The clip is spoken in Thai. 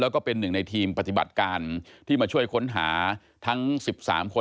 แล้วก็เป็นหนึ่งในทีมปฏิบัติการที่มาช่วยค้นหาทั้ง๑๓คน